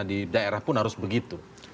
di daerah pun harus begitu